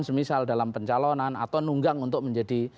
semisal dalam pencalonan atau nunggang untuk menjadi